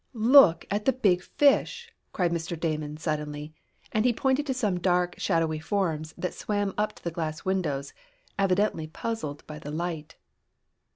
"Look at the big fish!" cried Mr. Damon suddenly, and he pointed to some dark, shadowy forms that swam up to the glass windows, evidently puzzled by the light.